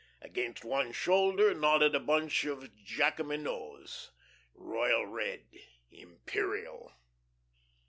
Against one shoulder nodded a bunch of Jacqueminots, royal red, imperial.